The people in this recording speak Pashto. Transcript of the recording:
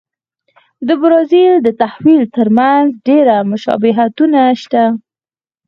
د برازیل د تحول ترمنځ ډېر مشابهتونه شته.